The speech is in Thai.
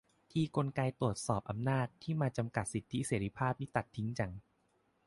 ทีกลไกตรวจสอบอำนาจที่มาจำกัดสิทธิเสรีภาพนี่ตัดทิ้งจัง